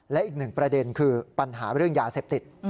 และอีกหนึ่งประเด็นคือปัญหาเรื่องยาเสพติด